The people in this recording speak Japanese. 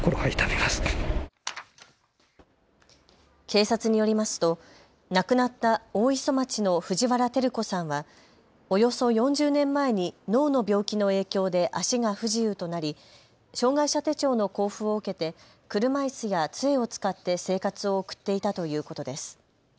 警察によりますと、亡くなった大磯町の藤原照子さんはおよそ４０年前に脳の病気の影響で足が不自由となり障害者手帳の交付を受けて車いすやつえを使って生活を送っていたということです。